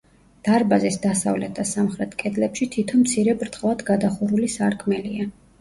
დარბაზის დასავლეთ და სამხრეთ კედლებში თითო მცირე ბრტყლად გადახურული სარკმელია.